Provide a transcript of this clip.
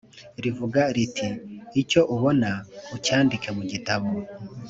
rivuga riti “Icyo ubona ucyandike mu gitabo,